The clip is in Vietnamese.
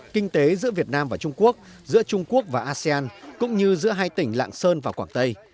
kinh tế giữa việt nam và trung quốc giữa trung quốc và asean cũng như giữa hai tỉnh lạng sơn và quảng tây